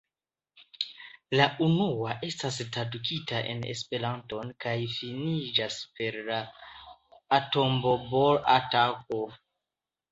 La unua estas tradukita en Esperanton kaj finiĝas per la atombomb-atako.